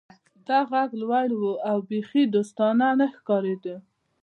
دا غږ لوړ و او بیخي دوستانه نه ښکاریده